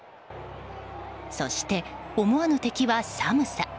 そして、思わぬ敵は寒さ。